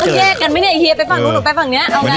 ช่วยกันไหมโอเค